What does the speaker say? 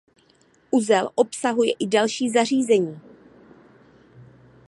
Uzel obsahuje i další zařízení.